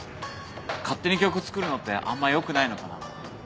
勝手に曲作るのってあんまよくないのかな？